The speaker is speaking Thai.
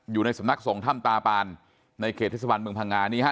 อยู่ในสำนักส่งถ้ำตาปานในเขตเทศบาลเมืองพังงานี้ฮะ